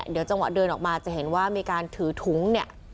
เดี๋ยวจังหวะเดินออกมาจะเห็นว่ามีการถือถุงเนี่ย